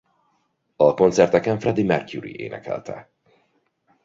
A koncerteken Freddie Mercury énekelte.